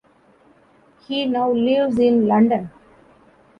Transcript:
He now lives in London.